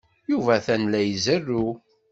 Yuba atan la izerrew.